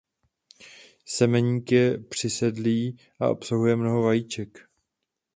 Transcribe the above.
Semeník je přisedlý a obsahuje mnoho vajíček.